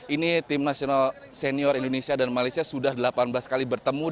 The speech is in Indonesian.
ini tim nasional senior indonesia dan malaysia sudah delapan belas kali bertemu